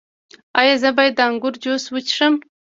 ایا زه باید د انګور جوس وڅښم؟